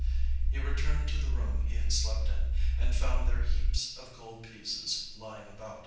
He returned to the room he had slept in, and found there heaps of gold pieces lying about.